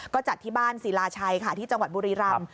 ก็จัดที่บ้านศิลาชัยค่ะที่จังหวัดบุรีรำ